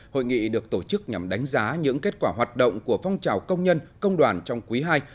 hội nghị được tổ chức nhằm đánh giá những kết quả hoạt động của phong trào công nhân công đoàn trong quý ii